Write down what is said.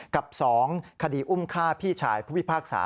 กับ๒คดีอุ้มฆ่าพี่ชายผู้พิพากษา